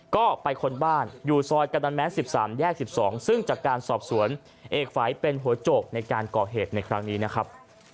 ก็ไปค้นบ้านอยู่ซอยกระดันแม้๑๓แยก๑๒ซึ่งจากการสอบสวนเอกฝัยเป็นหัวโจกในการก่อเหตุในครั้งนี้นะครับ